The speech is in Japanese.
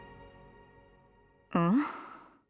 うん？